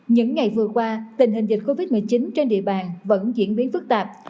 những ngày vừa qua tình hình dịch covid một mươi chín trên địa bàn vẫn diễn biến phức tạp